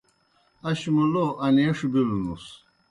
اش موْ لو انَیݜ بِلوْنُس۔